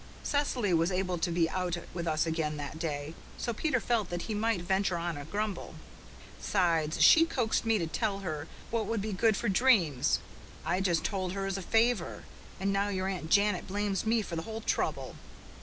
Cecily was able to be out with us again that day, so Peter felt that he might venture on a grumble. "'Sides, she coaxed me to tell her what would be good for dreams. I just told her as a favour. And now your Aunt Janet blames me for the whole trouble."